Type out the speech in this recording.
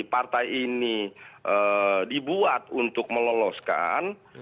partai ini dibuat untuk meloloskan